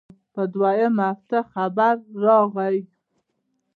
پر دويمه هفته خبر راغى.